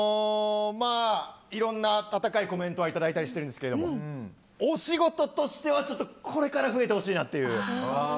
いろんな温かいコメントをいただいたりしてるんですけどお仕事としてはちょっとこれから増えてほしいなという。